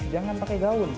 jangan pakai gaun